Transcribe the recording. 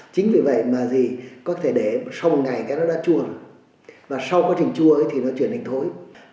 chính vì vậy mà có thể để sau một ngày nó đã chua và sau quá trình chua thì nó chuyển thành thối